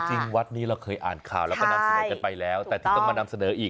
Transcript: จริงวัดนี้เราเคยอ่านข่าวแล้วก็นำเสนอกันไปแล้วแต่ที่ต้องมานำเสนออีก